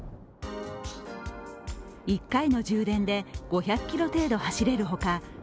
１回の充電で５００ｋｍ程度走れるほか